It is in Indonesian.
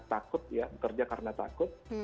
atau orang yang bekerja karena takut